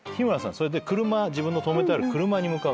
それで自分の止めてある車に向かう。